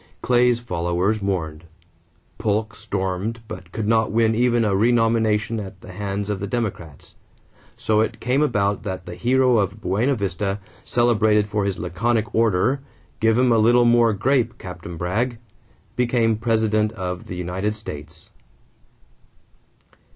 Clay's followers mourned. Polk stormed but could not win even a renomination at the hands of the Democrats. So it came about that the hero of Buena Vista, celebrated for his laconic order, "Give 'em a little more grape, Captain Bragg," became President of the United States.